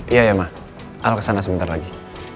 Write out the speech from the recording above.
iya ya ma al kesana sebentar lagi